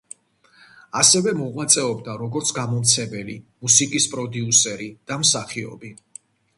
ასევე მოღვაწეობდა როგორც გამომცემელი, მუსიკის პროდიუსერი და მსახიობი.